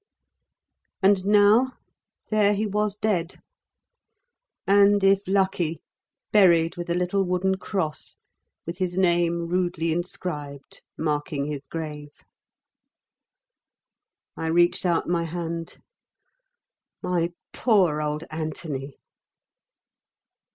And now, there he was dead; and, if lucky, buried with a little wooden cross with his name rudely inscribed, marking his grave. I reached out my hand. "My poor old Anthony!"